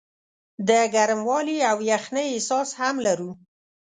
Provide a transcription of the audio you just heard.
د ګرموالي او یخنۍ احساس هم لرو.